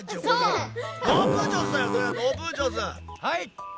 はい。